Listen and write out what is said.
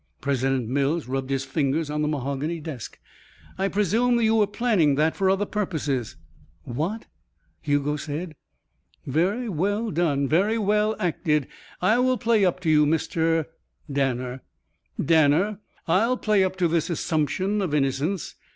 President Mills rubbed his fingers on the mahogany desk. "I presume you were planning that for other purposes?" "What!" Hugo said. "Very well done. Very well acted. I will play up to you, Mr. " "Danner." "Danner. I'll play up to this assumption of innocence.